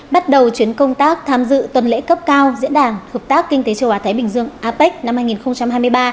bắt đầu chuyến công tác tham dự tuần lễ cấp cao diễn đàn hợp tác kinh tế châu á thái bình dương apec năm hai nghìn hai mươi ba